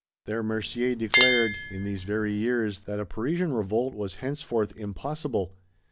Their Mercier declared, in these very years, that a Parisian revolt was henceforth "impossible."